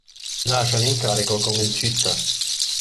Lascia l'incarico con il Citta.